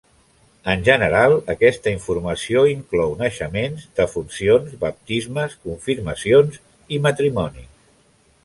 En general, aquesta informació inclou naixements, defuncions, baptismes, confirmacions i matrimonis.